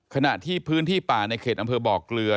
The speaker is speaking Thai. ขณะที่พื้นที่ป่าในเขตอำเภอบ่อเกลือ